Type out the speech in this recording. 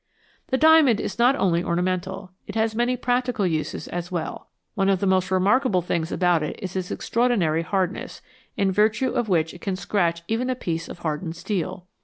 The diamond is not only ornamental ; it has many practical uses as well. One of the most remarkable things about it is its extraordinary hardness, in virtue of which it can scratch even a piece of hardened steel.